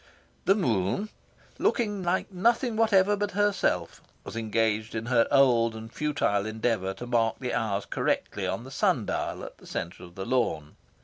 The moon, looking like nothing whatsoever but herself, was engaged in her old and futile endeavour to mark the hours correctly on the sun dial at the centre of the lawn.